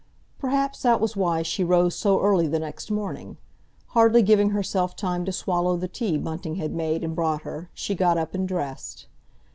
Perhaps that was why she rose so early the next morning. Hardly giving herself time to swallow the tea Bunting had made and brought her, she got up and dressed.